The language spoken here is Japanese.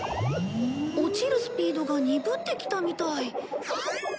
落ちるスピードが鈍ってきたみたい。